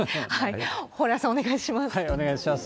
蓬莱さん、お願いします。